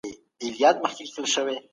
په کور کې د علم ډېوه نه مړ کېږي.